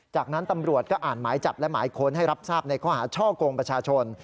จากนั้นตำรวจก็อ่านหมายจับและหมายค้นให้รับทราบในข้อหาช่อกงประชาชน